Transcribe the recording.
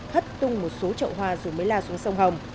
hất tung một số trậu hoa rồi mới la xuống sông hồng